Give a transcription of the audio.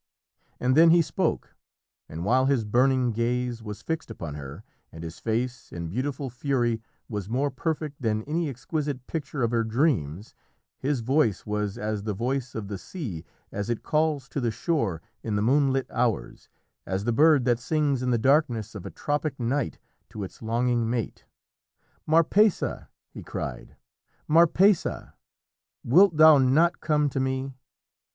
And then he spoke, and while his burning gaze was fixed upon her, and his face, in beautiful fury, was more perfect than any exquisite picture of her dreams, his voice was as the voice of the sea as it calls to the shore in the moonlit hours, as the bird that sings in the darkness of a tropic night to its longing mate. "Marpessa!" he cried, "Marpessa! wilt thou not come to me?